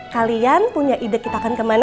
kalian punya ide kita akan kemana